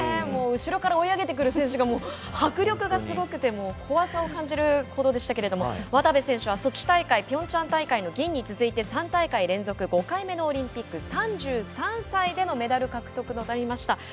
後ろから追い上げてくる選手が迫力がすごくて怖さを感じるほどでしたが渡部選手はソチ大会ピョンチャン大会の銀に続いて３大会連続５回目のオリンピック３３歳でのメダル獲得となりました。